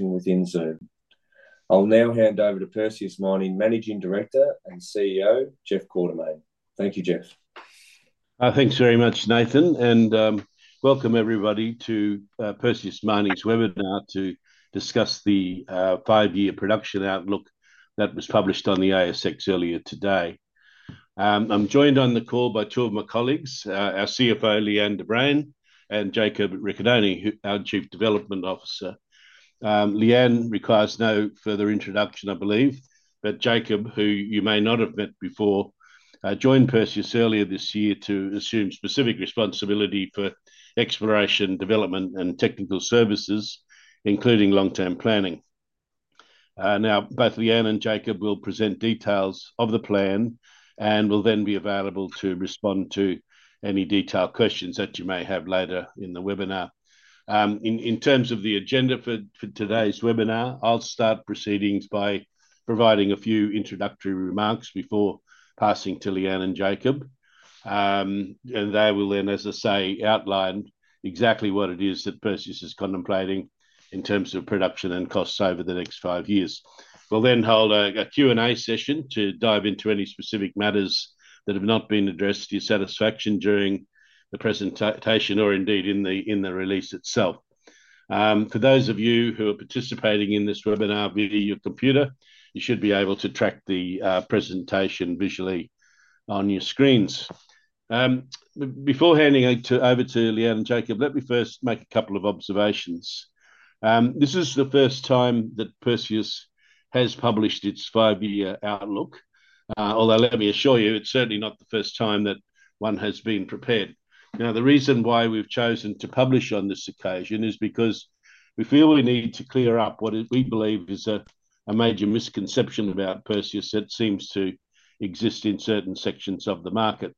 Within Zoom. I'll now hand over to Perseus Mining Managing Director and CEO, Jeff Quartermaine. Thank you, Jeff. Thanks very much, Nathan, and welcome everybody to Perseus Mining's webinar to discuss the five-year production outlook that was published on the ASX earlier today. I'm joined on the call by two of my colleagues, our CFO, Lee-Anne de Bruin, and Jacob Ricciardone, our Chief Development Officer. Lee-Anne requires no further introduction, I believe, but Jacob, who you may not have met before, joined Perseus earlier this year to assume specific responsibility for exploration, development, and technical services, including long-term planning. Now, both Lee-Anne and Jacob will present details of the plan and will then be available to respond to any detailed questions that you may have later in the webinar. In terms of the agenda for today's webinar, I'll start proceedings by providing a few introductory remarks before passing to Lee-Anne and Jacob, and they will then, as I say, outline exactly what it is that Perseus is contemplating in terms of production and costs over the next five years. We'll then hold a Q&A session to dive into any specific matters that have not been addressed to your satisfaction during the presentation or indeed in the release itself. For those of you who are participating in this webinar via your computer, you should be able to track the presentation visually on your screens. Before handing over to Lee-Anne and Jacob, let me first make a couple of observations. This is the first time that Perseus has published its five-year outlook, although let me assure you, it's certainly not the first time that one has been prepared. Now, the reason why we've chosen to publish on this occasion is because we feel we need to clear up what we believe is a major misconception about Perseus that seems to exist in certain sections of the market.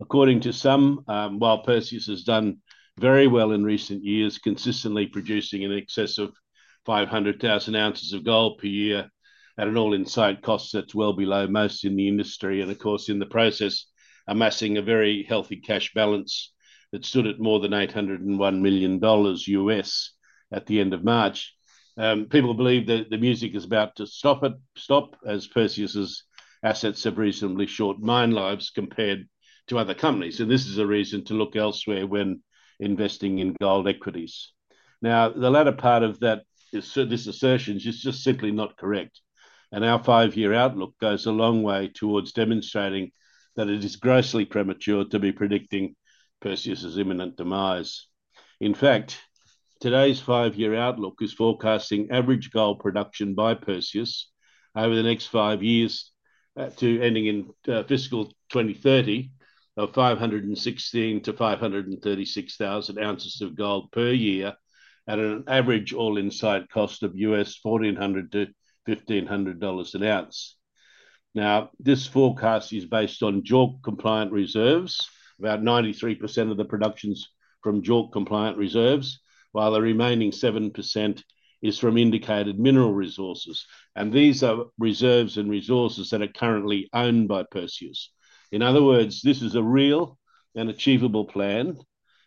According to some, while Perseus has done very well in recent years, consistently producing in excess of 500,000 ounces of gold per year at an All-in Sustaining Cost that's well below most in the industry, and of course, in the process, amassing a very healthy cash balance that stood at more than $801 million at the end of March. People believe that the music is about to stop as Perseus's assets have reasonably short mine lives compared to other companies, and this is a reason to look elsewhere when investing in gold equities. Now, the latter part of this assertion is just simply not correct, and our five-year outlook goes a long way towards demonstrating that it is grossly premature to be predicting Perseus's imminent demise. In fact, today's five-year outlook is forecasting average gold production by Perseus over the next five years to ending in fiscal 2030 of 516,000-536,000 ounces of gold per year at an average All-in Sustaining Cost of $1,400-$1,500 an ounce. Now, this forecast is based on JORC compliant reserves, about 93% of the production is from JORC compliant reserves, while the remaining 7% is from indicated mineral resources, and these are reserves and resources that are currently owned by Perseus. In other words, this is a real and achievable plan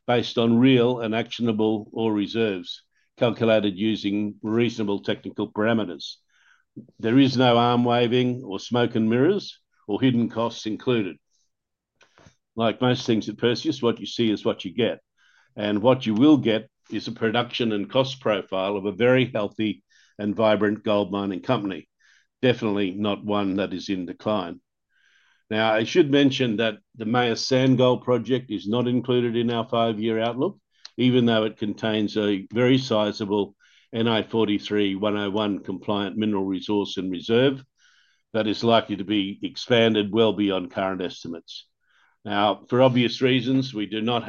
based on real and actionable raw reserves calculated using reasonable technical parameters. There is no arm waving or smoke and mirrors or hidden costs included. Like most things at Perseus, what you see is what you get, and what you will get is a production and cost profile of a very healthy and vibrant gold mining company, definitely not one that is in decline. Now, I should mention that the Meyas Sand Gold Project is not included in our five-year outlook, even though it contains a very sizable NI 43-101 compliant mineral resource and reserve that is likely to be expanded well beyond current estimates. Now, for obvious reasons, we do not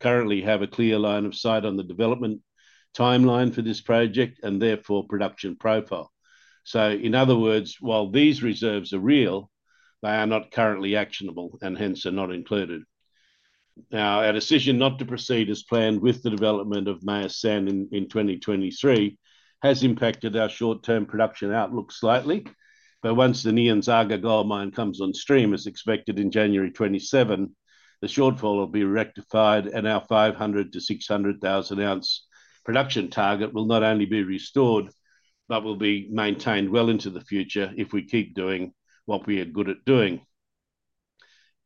currently have a clear line of sight on the development timeline for this project and therefore production profile. In other words, while these reserves are real, they are not currently actionable and hence are not included. Now, our decision not to proceed as planned with the development of Meyas Sand in 2023 has impacted our short-term production outlook slightly, but once the Nyanzaga Gold Mine comes on stream, as expected in January 2027, the shortfall will be rectified and our 500 to 600,000 ounce production target will not only be restored but will be maintained well into the future if we keep doing what we are good at doing.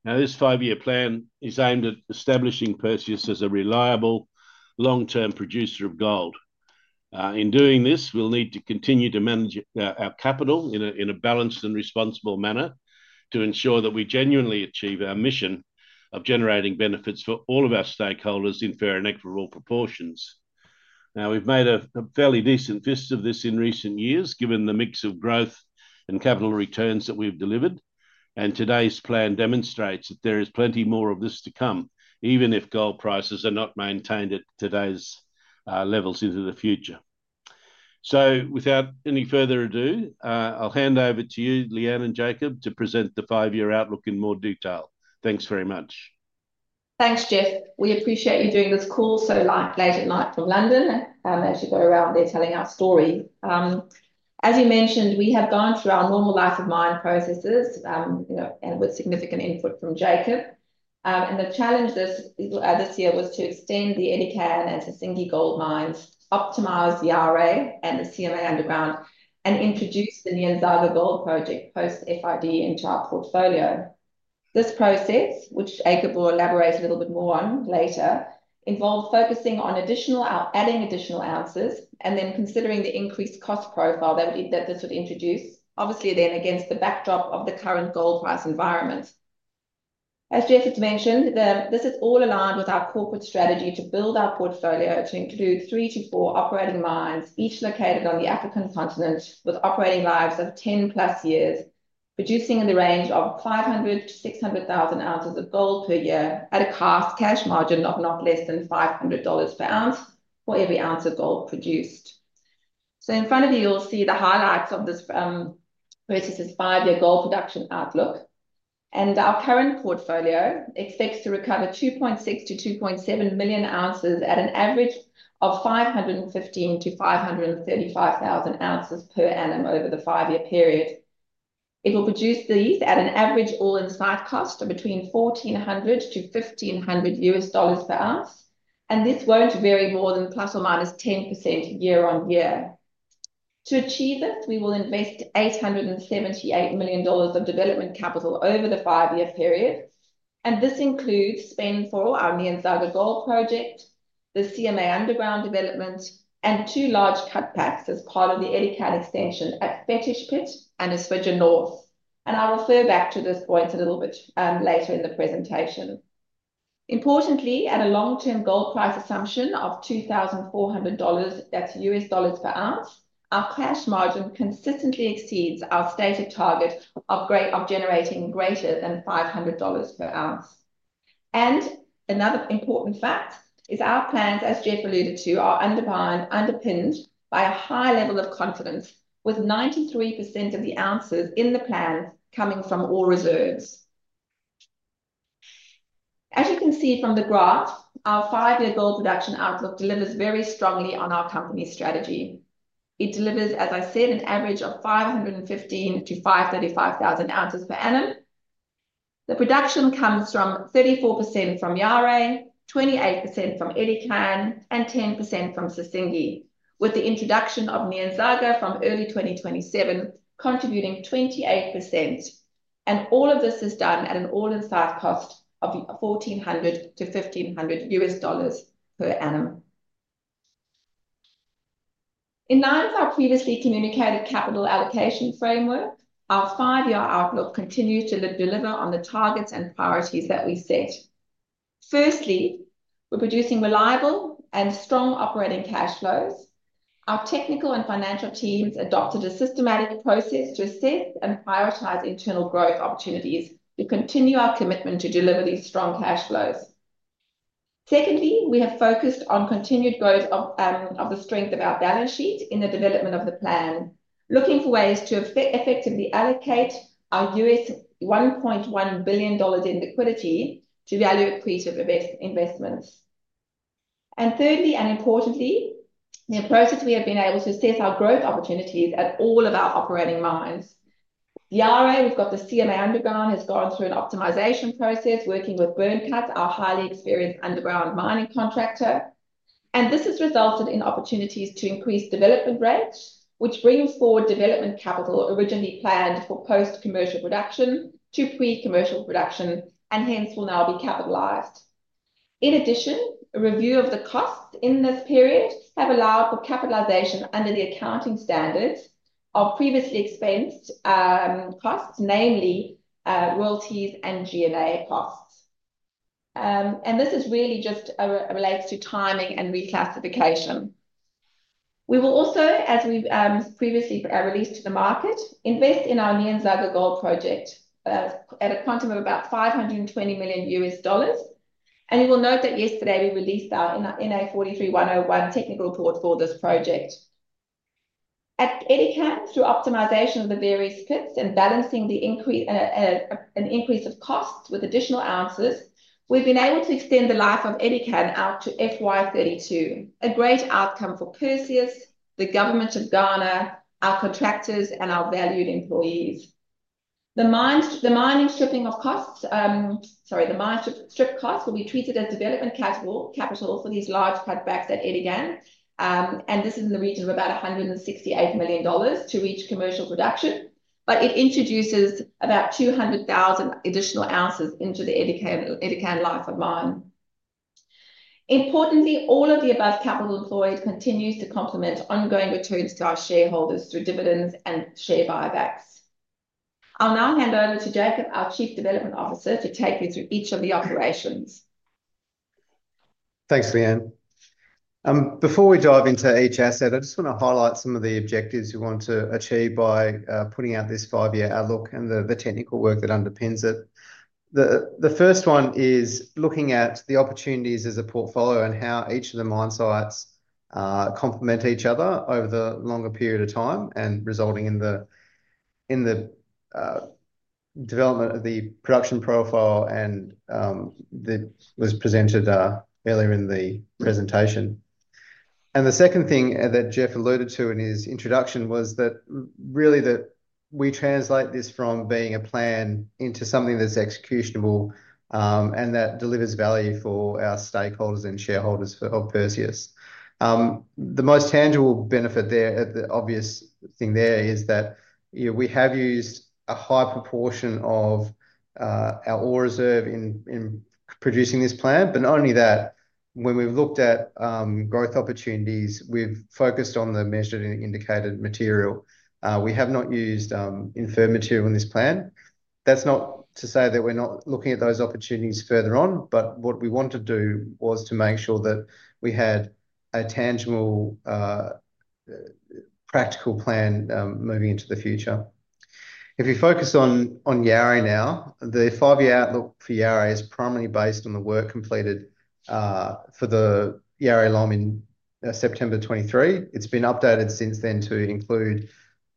Now, this five-year plan is aimed at establishing Perseus as a reliable long-term producer of gold. In doing this, we'll need to continue to manage our capital in a balanced and responsible manner to ensure that we genuinely achieve our mission of generating benefits for all of our stakeholders in fair and equitable proportions. Now, we've made a fairly decent fist of this in recent years given the mix of growth and capital returns that we've delivered, and today's plan demonstrates that there is plenty more of this to come, even if gold prices are not maintained at today's levels into the future. Without any further ado, I'll hand over to you, Lee-Anne and Jacob, to present the five-year outlook in more detail. Thanks very much. Thanks, Jeff. We appreciate you doing this call so late at night from London as you go around there telling our story. As you mentioned, we have gone through our normal life of mine processes with significant input from Jacob, and the challenge this year was to extend the Edikan and Sissingué gold mines, optimize the Yaouré and the CMA underground, and introduce the Nyanzaga Gold Project post-FID into our portfolio. This process, which Jacob will elaborate a little bit more on later, involved focusing on adding additional ounces and then considering the increased cost profile that this would introduce, obviously then against the backdrop of the current gold price environment. As Jeff had mentioned, this is all aligned with our corporate strategy to build our portfolio to include three to four operating mines, each located on the African continent with operating lives of 10 plus years, producing in the range of 500,000-600,000 ounces of gold per year at a cash margin of not less than $500 per ounce for every ounce of gold produced. In front of you, you'll see the highlights of this Perseus' five-year gold production outlook, and our current portfolio expects to recover 2.6-2.7 million ounces at an average of 515,000-535,000 ounces per annum over the five-year period. It will produce these at an average All-in Sustaining Cost of between $1,400-$1,500 per ounce, and this won't vary more than plus or minus 10% year on year. To achieve this, we will invest $878 million of development capital over the five-year period, and this includes spend for our Nyanzaga Gold project, the CMA underground development, and two large cutbacks as part of the Edikan extension at Fetish Pit and Esuajah North, and I'll refer back to this point a little bit later in the presentation. Importantly, at a long-term gold price assumption of $2,400, that's US dollars per ounce, our cash margin consistently exceeds our stated target of generating greater than $500 per ounce. Another important fact is our plans, as Jeff alluded to, are underpinned by a high level of confidence, with 93% of the ounces in the plan coming from Ore Reserves. As you can see from the graph, our five-year gold production outlook delivers very strongly on our company's strategy. It delivers, as I said, an average of 515,000 to 535,000 ounces per annum. The production comes from 34% from Yaouré, 28% from Edikan, and 10% from Sissingué, with the introduction of Nyanzaga from early 2027 contributing 28%, and all of this is done at an All-in Sustaining Cost of $1,400-$1,500 per annum. In line with our previously communicated capital allocation framework, our five-year outlook continues to deliver on the targets and priorities that we set. Firstly, we're producing reliable and strong operating cash flows. Our technical and financial teams adopted a systematic process to assess and prioritize internal growth opportunities to continue our commitment to deliver these strong cash flows. Secondly, we have focused on continued growth of the strength of our balance sheet in the development of the plan, looking for ways to effectively allocate our $1.1 billion in liquidity to value-accretive investments. Thirdly, and importantly, the process we have been able to assess our growth opportunities at all of our operating mines. At Yaouré, we have the CMA underground, which has gone through an optimization process working with Burncut, our highly experienced underground mining contractor, and this has resulted in opportunities to increase development rates, which brings forward development capital originally planned for post-commercial production to pre-commercial production and hence will now be capitalized. In addition, a review of the costs in this period has allowed for capitalization under the accounting standards of previously expensed costs, namely royalties and G&A costs. This really just relates to timing and reclassification. We will also, as we previously released to the market, invest in our Nyanzaga Gold Project at a quantum of about $520 million, and you will note that yesterday we released our NI 43-101 technical report for this project. At Edikan, through optimization of the various pits and balancing an increase of costs with additional ounces, we've been able to extend the life of Edikan out to FY32, a great outcome for Perseus, the government of Ghana, our contractors, and our valued employees. The mining strip costs will be treated as development capital for these large cutbacks at Edikan, and this is in the region of about $168 million to reach commercial production, but it introduces about 200,000 additional ounces into the Edikan life of mine. Importantly, all of the above capital employed continues to complement ongoing returns to our shareholders through dividends and share buybacks. I'll now hand over to Jacob, our Chief Development Officer, to take you through each of the operations. Thanks, Lee-Anne. Before we dive into each asset, I just want to highlight some of the objectives we want to achieve by putting out this five-year outlook and the technical work that underpins it. The first one is looking at the opportunities as a portfolio and how each of the mine sites complement each other over the longer period of time, resulting in the development of the production profile that was presented earlier in the presentation. The second thing that Jeff alluded to in his introduction was that really we translate this from being a plan into something that's executionable and that delivers value for our stakeholders and shareholders of Perseus. The most tangible benefit there, the obvious thing there is that we have used a high proportion of our Ore Reserve in producing this plan, but not only that, when we've looked at growth opportunities, we've focused on the measured and indicated material. We have not used inferior material in this plan. That's not to say that we're not looking at those opportunities further on, but what we want to do was to make sure that we had a tangible practical plan moving into the future. If we focus on Yaouré now, the five-year outlook for Yaouré is primarily based on the work completed for the Yaouré LOM in September 2023. It's been updated since then to include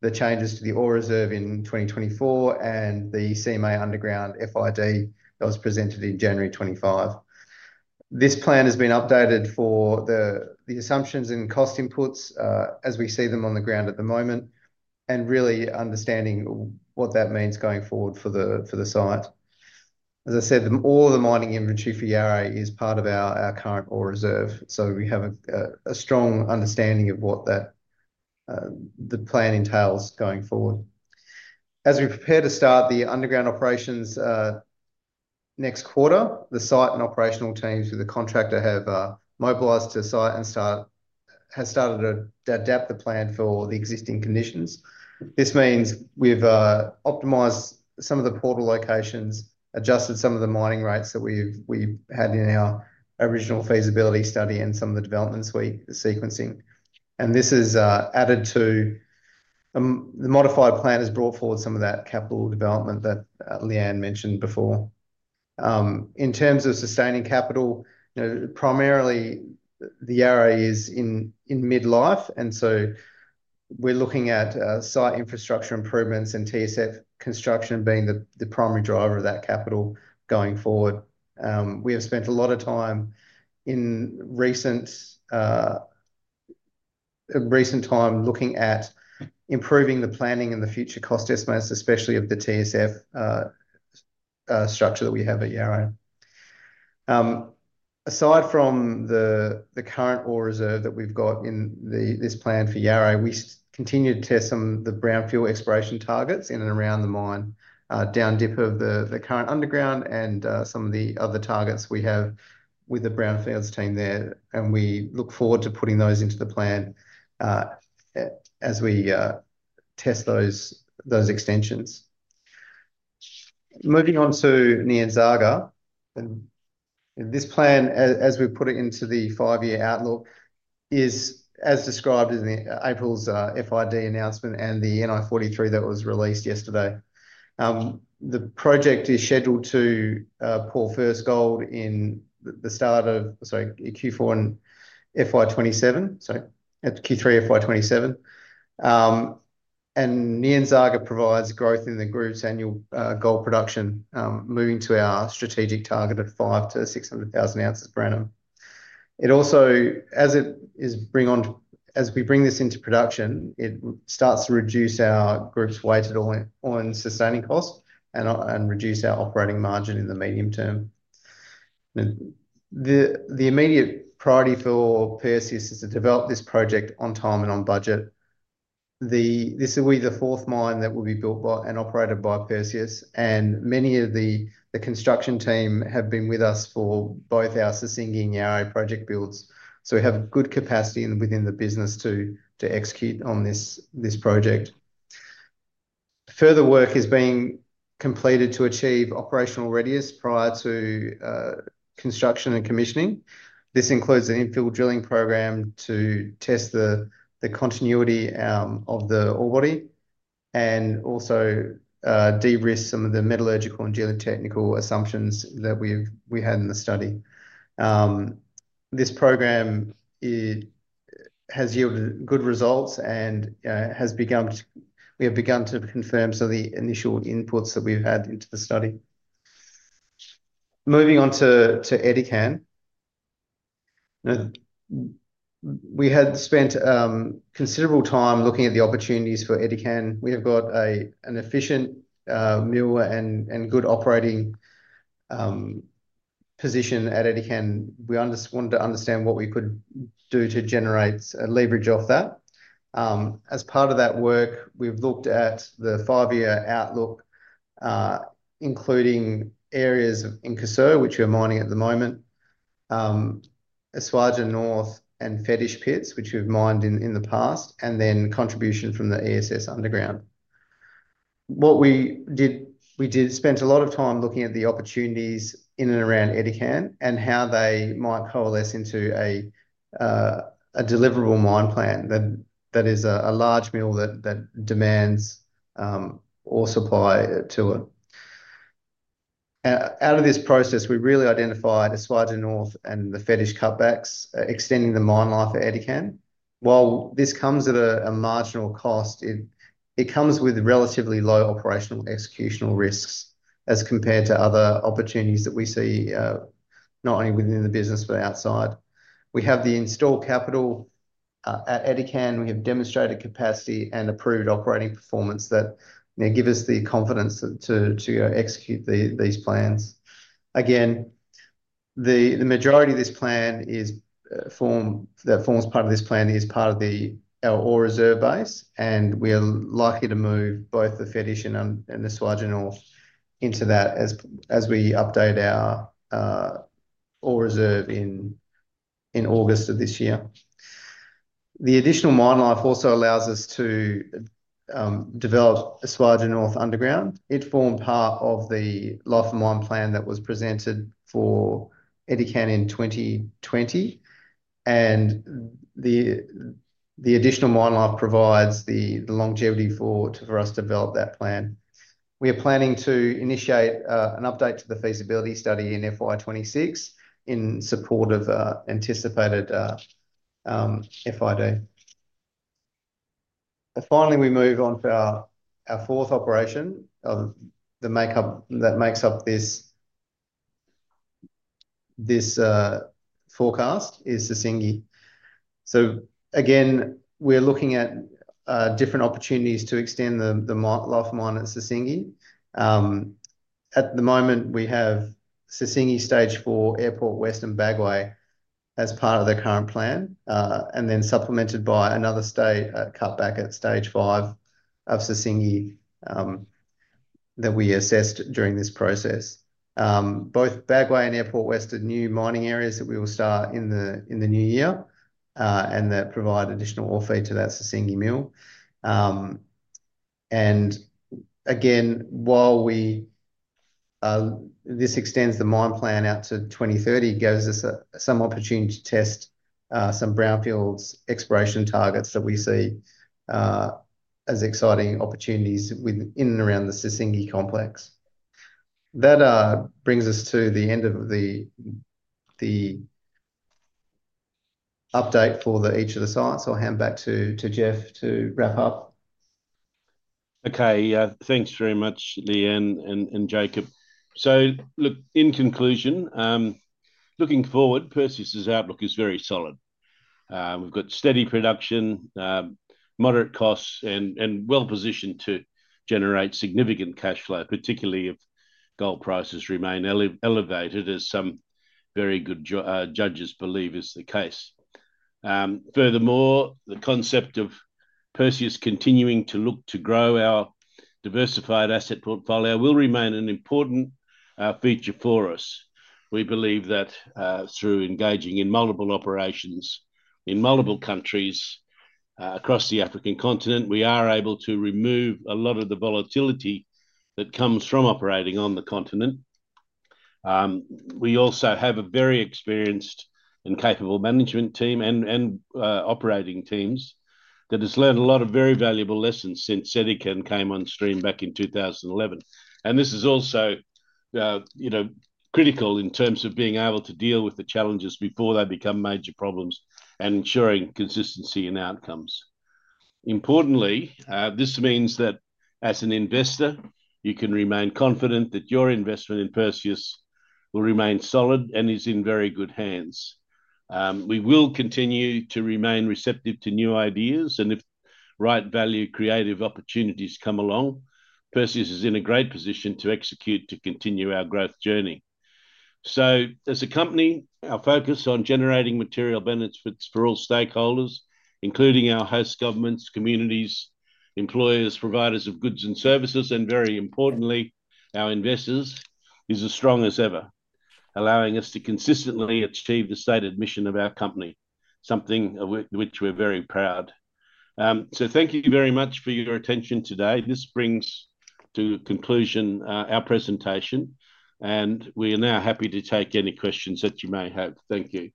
the changes to the Ore Reserve in 2024 and the CMA underground FID that was presented in January 2025. This plan has been updated for the assumptions and cost inputs as we see them on the ground at the moment and really understanding what that means going forward for the site. As I said, all of the mining inventory for Yaouré is part of our current Ore Reserve, so we have a strong understanding of what the plan entails going forward. As we prepare to start the underground operations next quarter, the site and operational teams with the contractor have mobilized to site and started to adapt the plan for the existing conditions. This means we've optimized some of the portal locations, adjusted some of the mining rates that we've had in our original feasibility study and some of the development sequencing, and this is added to the modified plan has brought forward some of that capital development that Lee-Anne mentioned before. In terms of sustaining capital, primarily the Yaouré is in midlife, and so we're looking at site infrastructure improvements and TSF construction being the primary driver of that capital going forward. We have spent a lot of time in recent time looking at improving the planning and the future cost estimates, especially of the TSF structure that we have at Yaouré. Aside from the current Ore Reserve that we've got in this plan for Yaouré, we continue to test some of the brownfields exploration targets in and around the mine, down deeper of the current underground and some of the other targets we have with the brownfields team there, and we look forward to putting those into the plan as we test those extensions. Moving on to Nyanzaga, this plan, as we put it into the five-year outlook, is as described in April's FID announcement and the NI 43-101 that was released yesterday. The project is scheduled to pour first gold in the start of, sorry, Q4 in FY27, sorry, Q3, FY27, and Nyanzaga provides growth in the group's annual gold production moving to our strategic target of 500,000-600,000 ounces per annum. It also, as it is, as we bring this into production, it starts to reduce our group's weighted All-in Sustaining Costs and reduce our operating margin in the medium term. The immediate priority for Perseus is to develop this project on time and on budget. This will be the fourth mine that will be built and operated by Perseus, and many of the construction team have been with us for both our Sissingué and Yaouré project builds, so we have good capacity within the business to execute on this project. Further work is being completed to achieve operational readiness prior to construction and commissioning. This includes an infill drilling program to test the continuity of the ore body and also de-risk some of the metallurgical and geotechnical assumptions that we had in the study. This program has yielded good results and we have begun to confirm some of the initial inputs that we've had into the study. Moving on to Edikan, we had spent considerable time looking at the opportunities for Edikan. We have got an efficient mill and good operating position at Edikan. We wanted to understand what we could do to generate leverage off that. As part of that work, we've looked at the five-year outlook, including areas in Kasoa, which we're mining at the moment, Esuajah North, and Fetish Pits, which we've mined in the past, and then contribution from the ESS underground. What we did, we did spend a lot of time looking at the opportunities in and around Edikan and how they might coalesce into a deliverable mine plan that is a large mill that demands ore supply to it. Out of this process, we really identified Esuajah North and the Fetish cutbacks extending the mine life at Edikan. While this comes at a marginal cost, it comes with relatively low operational executional risks as compared to other opportunities that we see not only within the business but outside. We have the installed capital at Edikan. We have demonstrated capacity and approved operating performance that gives us the confidence to execute these plans. Again, the majority of this plan that forms part of this plan is part of our Ore Reserve base, and we are likely to move both the Fetish and Esuajah North into that as we update our Ore Reserve in August of this year. The additional mine life also allows us to develop Esuajah North underground. It formed part of the life of mine plan that was presented for Edikan in 2020, and the additional mine life provides the longevity for us to develop that plan. We are planning to initiate an update to the feasibility study in FY26 in support of anticipated FID. Finally, we move on to our fourth operation that makes up this forecast, Sissingué. Again, we're looking at different opportunities to extend the life of mine at Sissingué. At the moment, we have Sissingué stage four, Airport West, and Bagoe as part of the current plan, and then supplemented by another stage cutback at stage five of Sissingué that we assessed during this process. Both Bagoe and Airport West are new mining areas that we will start in the new year and that provide additional ore feed to that Sissingué mill. Again, while this extends the mine plan out to 2030, it gives us some opportunity to test some brownfields exploration targets that we see as exciting opportunities in and around the Sissingué complex. That brings us to the end of the update for each of the sites. I'll hand back to Jeff to wrap up. Okay. Thanks very much, Lee-Anne and Jacob. In conclusion, looking forward, Perseus's outlook is very solid. We have got steady production, moderate costs, and are well-positioned to generate significant cash flow, particularly if gold prices remain elevated, as some very good judges believe is the case. Furthermore, the concept of Perseus continuing to look to grow our diversified asset portfolio will remain an important feature for us. We believe that through engaging in multiple operations in multiple countries across the African continent, we are able to remove a lot of the volatility that comes from operating on the continent. We also have a very experienced and capable management team and operating teams that have learned a lot of very valuable lessons since Edikan came on stream back in 2011. This is also critical in terms of being able to deal with the challenges before they become major problems and ensuring consistency in outcomes. Importantly, this means that as an investor, you can remain confident that your investment in Perseus will remain solid and is in very good hands. We will continue to remain receptive to new ideas, and if right value creative opportunities come along, Perseus is in a great position to execute to continue our growth journey. As a company, our focus on generating material benefits for all stakeholders, including our host governments, communities, employers, providers of goods and services, and very importantly, our investors, is as strong as ever, allowing us to consistently achieve the stated mission of our company, something of which we're very proud. Thank you very much for your attention today. This brings to conclusion our presentation, and we are now happy to take any questions that you may have. Thank you.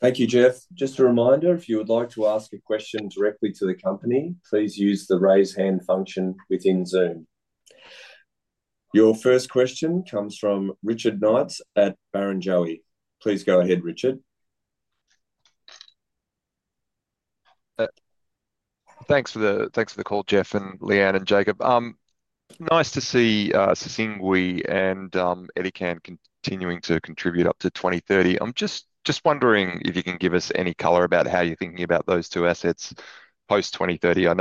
Thank you, Jeff. Just a reminder, if you would like to ask a question directly to the company, please use the raise hand function within Zoom. Your first question comes from Richard Knights at Barrenjoey. Please go ahead, Richard. Thanks for the call, Jeff, and Lee-Anne and Jacob. Nice to see Sissingué and Edikan continuing to contribute up to 2030. I'm just wondering if you can give us any color about how you're thinking about those two assets post 2030. I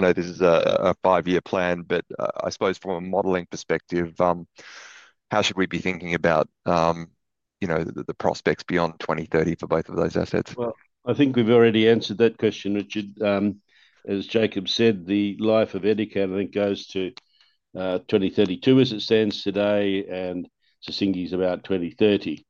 know this is a five-year plan, but I suppose from a modeling perspective, how should we be thinking about the prospects beyond 2030 for both of those assets? I think we've already answered that question, Richard. As Jacob said, the life of Edikan goes to 2032 as it stands today, and Sissingué is about 2030.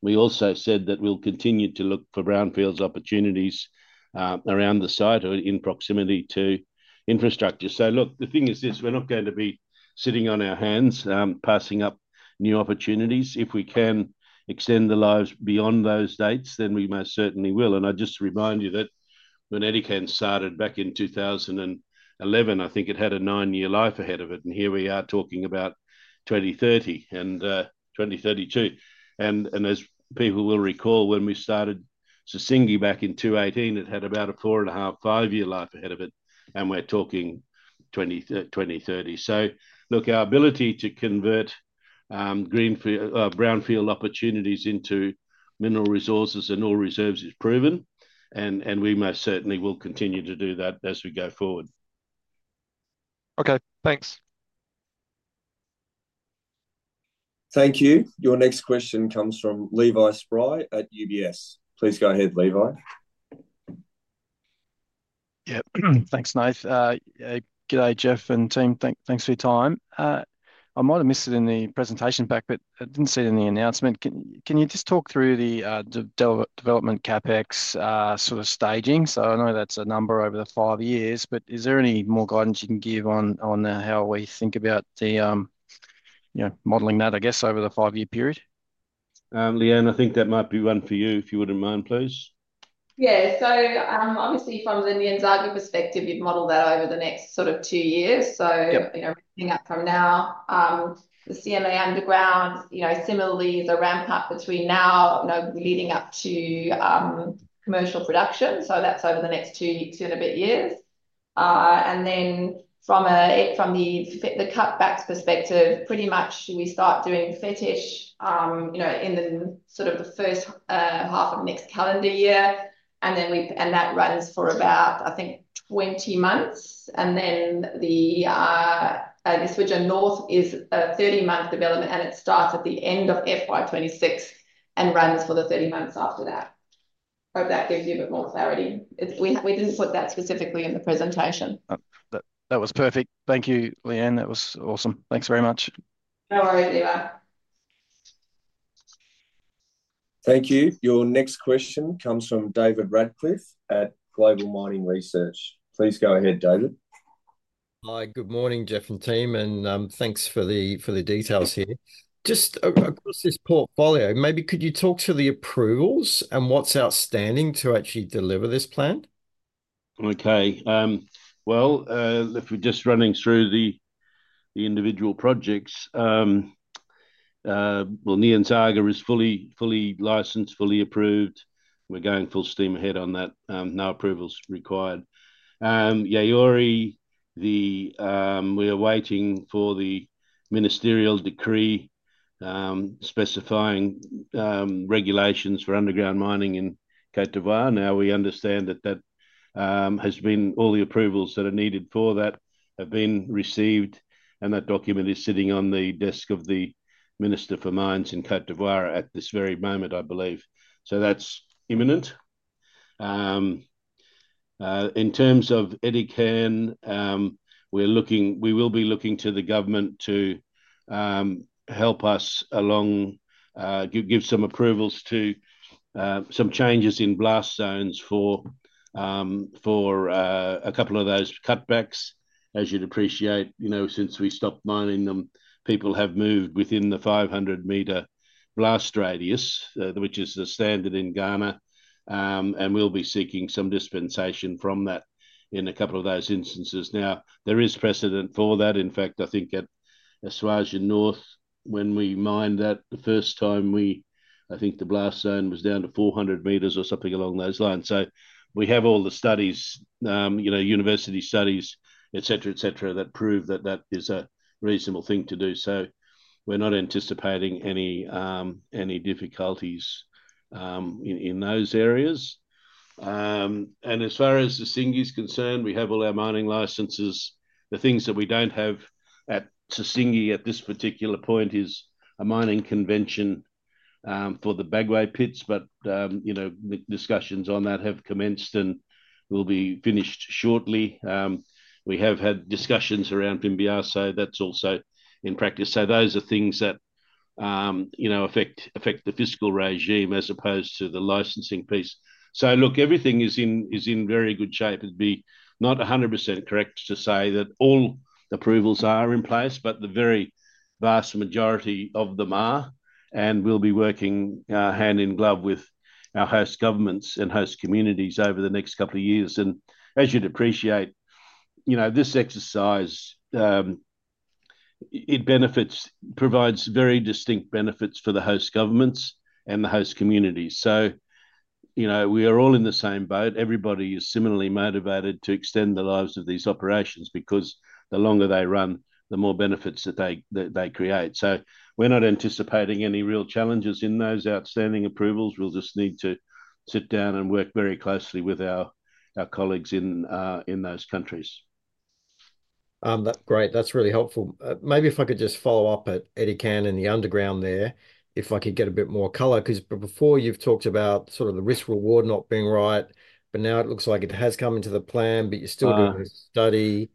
We also said that we'll continue to look for brownfields opportunities around the site or in proximity to infrastructure. Look, the thing is this. We're not going to be sitting on our hands passing up new opportunities. If we can extend the lives beyond those dates, then we most certainly will. I just remind you that when Edikan started back in 2011, I think it had a nine-year life ahead of it, and here we are talking about 2030 and 2032. As people will recall, when we started Sissingué back in 2018, it had about a four and a half, five-year life ahead of it, and we're talking 2030. Look, our ability to convert brownfield opportunities into mineral resources and ore reserves is proven, and we most certainly will continue to do that as we go forward. Okay. Thanks. Thank you. Your next question comes from Levi Spry at UBS. Please go ahead, Levi. Yeah. Thanks, Nate. G'day, Jeff and team. Thanks for your time. I might have missed it in the presentation pack, but I did not see it in the announcement. Can you just talk through the development CapEx sort of staging? I know that is a number over the five years, but is there any more guidance you can give on how we think about modeling that, I guess, over the five-year period? Lee-Anne, I think that might be one for you, if you wouldn't mind, please. Yeah. Obviously, from the Nyanzaga perspective, you'd model that over the next sort of two years. Everything up from now, the CMA underground, similarly, is a ramp-up between now leading up to commercial production. That is over the next two and a bit years. From the cutbacks perspective, pretty much we start doing Fetish in the first half of next calendar year, and that runs for about, I think, 20 months. Esuajah North is a 30-month development, and it starts at the end of FY2026 and runs for the 30 months after that. Hope that gives you a bit more clarity. We did not put that specifically in the presentation. That was perfect. Thank you, Lee-Anne. That was awesome. Thanks very much. No worries, Levi. Thank you. Your next question comes from David Radclyffe at Global Mining Research. Please go ahead, David. Hi. Good morning, Jeff and team, and thanks for the details here. Just across this portfolio, maybe could you talk to the approvals and what's outstanding to actually deliver this plan? Okay. If we're just running through the individual projects, Nyanzaga is fully licensed, fully approved. We're going full steam ahead on that. No approvals required. Yaouré, we are waiting for the ministerial decree specifying regulations for underground mining in Côte d'Ivoire. Now, we understand that all the approvals that are needed for that have been received, and that document is sitting on the desk of the Minister for Mines in Côte d'Ivoire at this very moment, I believe. That's imminent. In terms of Edikan, we will be looking to the government to help us along, give some approvals to some changes in blast zones for a couple of those cutbacks. As you'd appreciate, since we stopped mining them, people have moved within the 500-meter blast radius, which is the standard in Ghana, and we'll be seeking some dispensation from that in a couple of those instances. Now, there is precedent for that. In fact, I think at Esuajah North, when we mined that the first time, I think the blast zone was down to 400 meters or something along those lines. We have all the studies, university studies, etc., etc., that prove that that is a reasonable thing to do. We are not anticipating any difficulties in those areas. As far as Sissingué is concerned, we have all our mining licenses. The things that we do not have at Sissingué at this particular point is a mining convention for the Bagoe pits, but discussions on that have commenced and will be finished shortly. We have had discussions around Mbengué. That is also in practice. Those are things that affect the fiscal regime as opposed to the licensing piece. Everything is in very good shape. It'd be not 100% correct to say that all approvals are in place, but the very vast majority of them are, and we'll be working hand in glove with our host governments and host communities over the next couple of years. As you'd appreciate, this exercise, it provides very distinct benefits for the host governments and the host communities. We are all in the same boat. Everybody is similarly motivated to extend the lives of these operations because the longer they run, the more benefits that they create. We're not anticipating any real challenges in those outstanding approvals. We'll just need to sit down and work very closely with our colleagues in those countries. Great. That's really helpful. Maybe if I could just follow up at Edikan and the underground there, if I could get a bit more color, because before you've talked about sort of the risk-reward not being right, but now it looks like it has come into the plan, but you're still doing a study.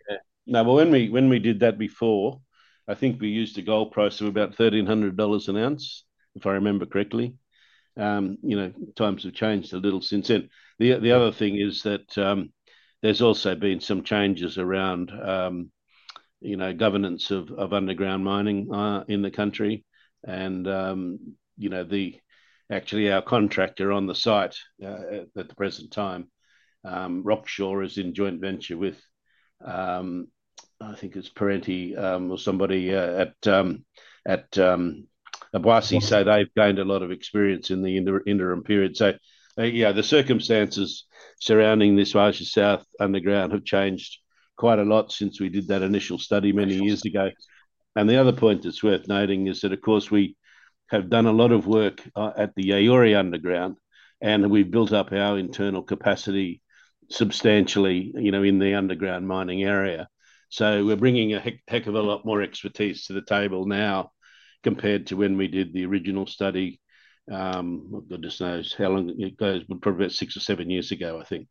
No, when we did that before, I think we used a gold price of about $1,300 an ounce, if I remember correctly. Times have changed a little since then. The other thing is that there's also been some changes around governance of underground mining in the country. Actually, our contractor on the site at the present time, RockSure, is in joint venture with, I think it's Perenti or somebody at Abwasi. They've gained a lot of experience in the interim period. Yeah, the circumstances surrounding this Esuajah South underground have changed quite a lot since we did that initial study many years ago. The other point that's worth noting is that, of course, we have done a lot of work at the Yaouré underground, and we've built up our internal capacity substantially in the underground mining area. We're bringing a heck of a lot more expertise to the table now compared to when we did the original study. God just knows how long it goes. Probably about six or seven years ago, I think.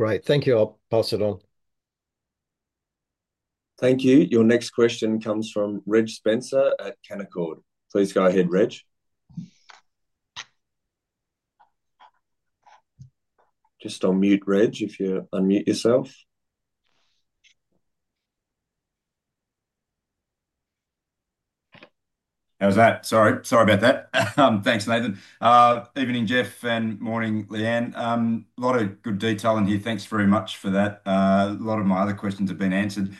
Great. Thank you. I'll pass it on. Thank you. Your next question comes from Reg Spencer at Canaccord. Please go ahead, Reg. Just unmute, Reg, if you unmute yourself. How's that? Sorry. Sorry about that. Thanks, Nathan. Evening, Jeff, and morning, Lee-Anne. A lot of good detail in here. Thanks very much for that. A lot of my other questions have been answered.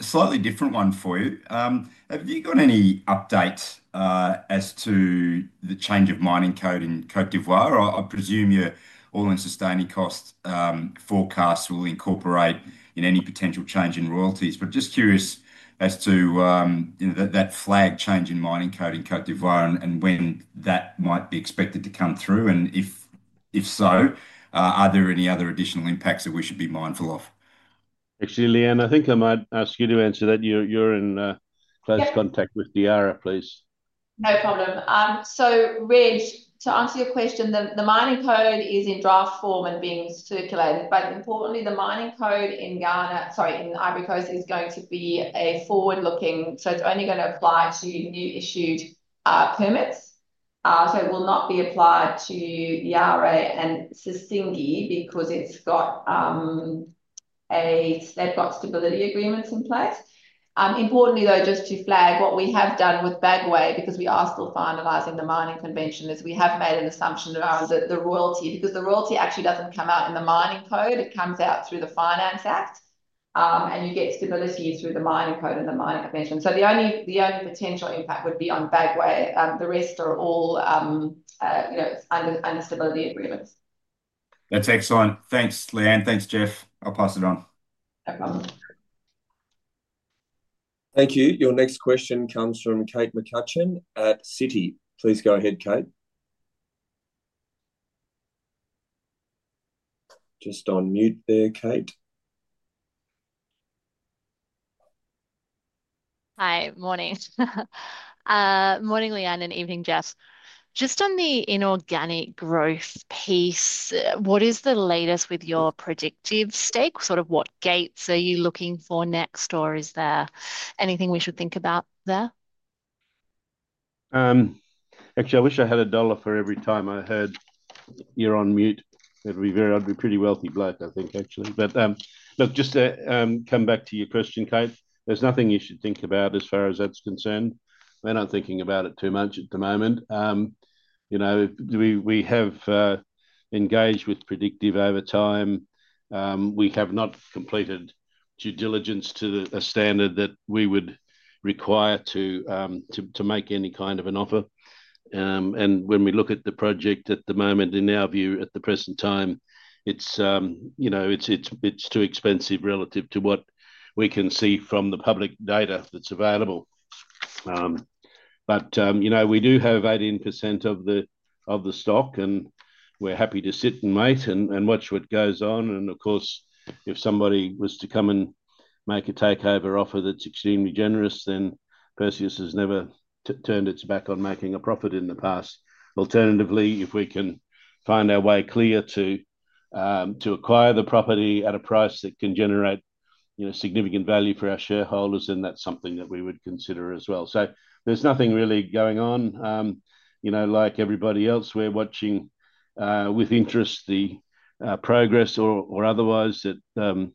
Slightly different one for you. Have you got any updates as to the change of mining code in Côte d'Ivoire? I presume your All-in Sustaining Cost forecasts will incorporate any potential change in royalties. Just curious as to that flagged change in mining code in Côte d'Ivoire and when that might be expected to come through. If so, are there any other additional impacts that we should be mindful of? Actually, Lee-Anne, I think I might ask you to answer that. You're in close contact with [IRA], please. No problem. Reg, to answer your question, the mining code is in draft form and being circulated. Importantly, the mining code in Ghana—sorry, in Côte d'Ivoire—is going to be forward-looking. It is only going to apply to newly issued permits. It will not be applied to Yaouré and Sissingué because they have stability agreements in place. Importantly, just to flag what we have done with Bagoué, because we are still finalizing the mining convention, we have made an assumption around the royalty, because the royalty actually does not come out in the mining code. It comes out through the Finance Act, and you get stability through the mining code and the mining convention. The only potential impact would be on Bagoué. The rest are all under stability agreements. That's excellent. Thanks, Lee-Anne. Thanks, Jeff. I'll pass it on. No problem. Thank you. Your next question comes from Kate McCutcheon at Citi. Please go ahead, Kate. Just unmute there, Kate. Hi. Morning. Morning, Lee-Anne, and evening, Jeff. Just on the inorganic growth piece, what is the latest with your Predictive stake? Sort of what gates are you looking for next, or is there anything we should think about there? Actually, I wish I had a dollar for every time I heard you're on mute. I'd be a pretty wealthy bloke, I think, actually. Look, just to come back to your question, Kate, there's nothing you should think about as far as that's concerned. We're not thinking about it too much at the moment. We have engaged with Predictive over time. We have not completed due diligence to a standard that we would require to make any kind of an offer. When we look at the project at the moment, in our view, at the present time, it's too expensive relative to what we can see from the public data that's available. We do have 18% of the stock, and we're happy to sit and wait and watch what goes on. Of course, if somebody was to come and make a takeover offer that's extremely generous, then Perseus has never turned its back on making a profit in the past. Alternatively, if we can find our way clear to acquire the property at a price that can generate significant value for our shareholders, then that's something that we would consider as well. There's nothing really going on. Like everybody else, we're watching with interest the progress or otherwise that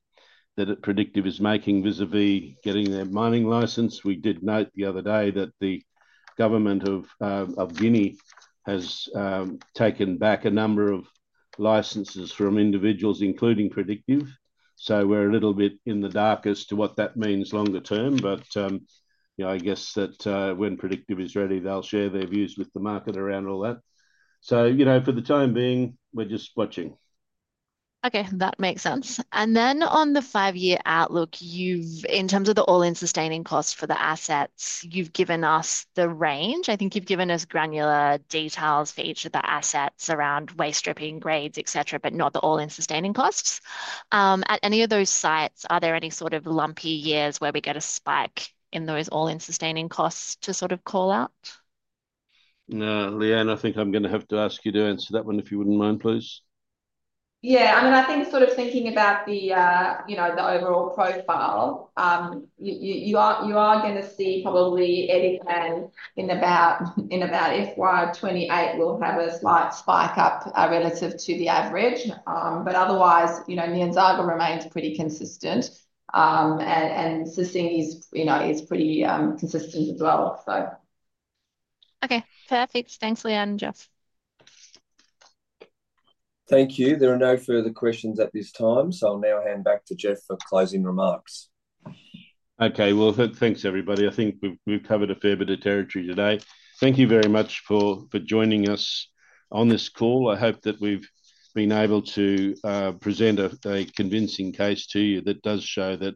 Predictive is making vis-à-vis getting their mining license. We did note the other day that the government of Guinea has taken back a number of licenses from individuals, including Predictive. We're a little bit in the dark as to what that means longer term. I guess that when Predictive is ready, they'll share their views with the market around all that. For the time being, we're just watching. Okay. That makes sense. Then on the five-year outlook, in terms of the All-in Sustaining Costs for the assets, you've given us the range. I think you've given us granular details for each of the assets around waste stripping grades, etc., but not the All-in Sustaining Costs. At any of those sites, are there any sort of lumpy years where we get a spike in those All-in Sustaining Costs to sort of call out? No, Lee-Anne, I think I'm going to have to ask you to answer that one, if you wouldn't mind, please. Yeah. I mean, I think sort of thinking about the overall profile, you are going to see probably Edikan in about FY2028 will have a slight spike up relative to the average. But otherwise, Nyanzaga remains pretty consistent, and Sissingué is pretty consistent as well, so. Okay. Perfect. Thanks, Lee-Anne and Jeff. Thank you. There are no further questions at this time, so I'll now hand back to Jeff for closing remarks. Okay. Thank you, everybody. I think we've covered a fair bit of territory today. Thank you very much for joining us on this call. I hope that we've been able to present a convincing case to you that does show that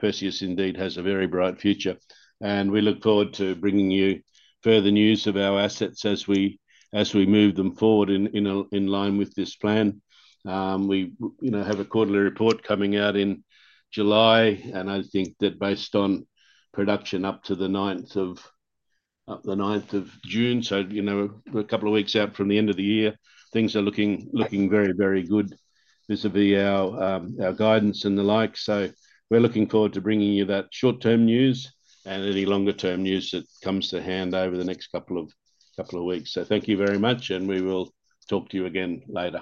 Perseus indeed has a very bright future. We look forward to bringing you further news of our assets as we move them forward in line with this plan. We have a quarterly report coming out in July, and I think that based on production up to the 9th of June, a couple of weeks out from the end of the year, things are looking very, very good vis-à-vis our guidance and the like. We are looking forward to bringing you that short-term news and any longer-term news that comes to hand over the next couple of weeks. Thank you very much, and we will talk to you again later.